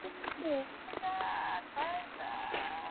tangazo lililio jibu maswali ya wananchi wengi wa nchi hiyo